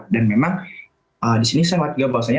dan memang disini saya melihat bahwasannya